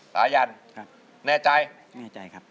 สายันแน่ใจแน่ใจครับ